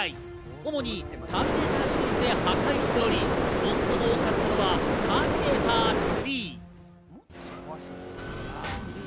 主に『ターミネーター』シリーズで破壊しており、最も多かったのは『ターミネーター３』。